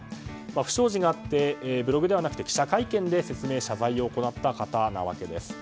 不祥事があってブログではなくて記者会見で説明、謝罪を行った方です。